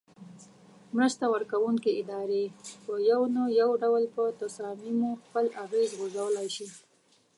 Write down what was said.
مرسته ورکوونکې ادارې په یو نه یو ډول په تصامیمو خپل اغیز غورځولای شي.